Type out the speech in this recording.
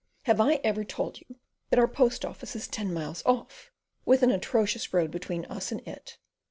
Have I ever told you that our post office is ten miles off, with an atrocious road between us and it?